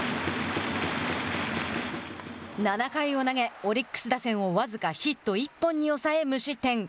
７回を投げ、オリックス打線を僅かヒット１本に抑え、無失点。